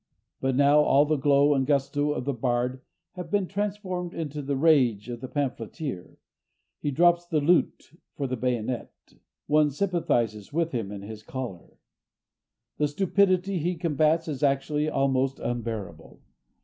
But now all the glow and gusto of the bard have been transformed into the rage of the pamphleteer: he drops the lute for the bayonet. One sympathizes with him in his choler. The stupidity he combats is actually almost unbearable.